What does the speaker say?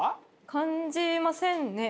感じませんね。